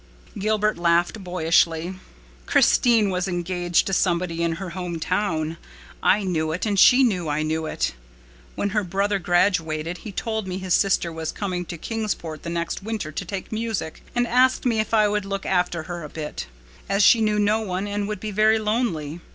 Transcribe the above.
Gilbert laughed boyishly. "Christine was engaged to somebody in her home town. I knew it and she knew I knew it. When her brother graduated he told me his sister was coming to Kingsport the next winter to take music, and asked me if I would look after her a bit, as she knew no one and would be very lonely.